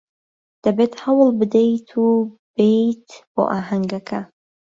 دەبێت هەوڵ بدەیت و بێیت بۆ ئاهەنگەکە.